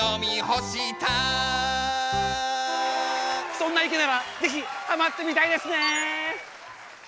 そんないけならぜひはまってみたいですね！